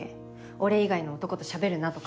「俺以外の男としゃべるな」とか。